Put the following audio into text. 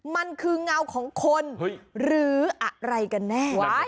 มันคือเงาของคนหรืออะไรกันแน่